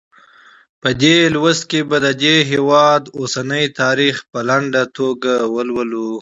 په دې لوست کې به د دې هېواد اوسنی تاریخ په لنډه توګه ولولو.